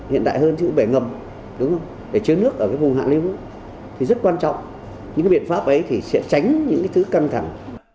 hiện đại hơn chứ cũng bể ngầm đúng không để chứa nước ở cái vùng hạ lưu thì rất quan trọng những cái biện pháp ấy thì sẽ tránh những cái thứ căng thẳng